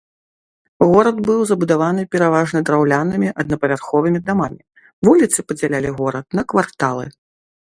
Горад быў забудаваны пераважна драўлянымі аднапавярховымі дамамі, вуліцы падзялялі горад на кварталы.